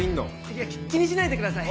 いや気にしないでください。